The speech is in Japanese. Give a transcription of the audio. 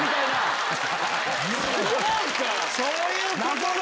そういうことか！